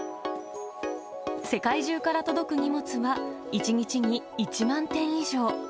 世界中から届く荷物は、１日に１万点以上。